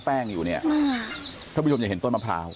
ถ้าบุญชมอย่าเห็นต้นมะพร้าว